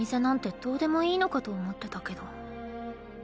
どうでもいいのかと思ってたけど。